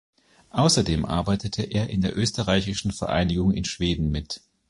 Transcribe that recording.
Außerdem arbeitete er in der Österreichischen Vereinigung in Schweden mit.